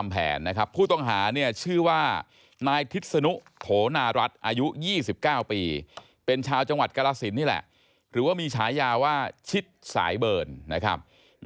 เป็นชาวจังหวัดกรสินนี่แหละหรือว่ามีฉายาว่าชิดสายเบิร์นนะครับ